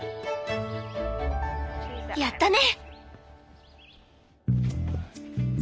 やったね！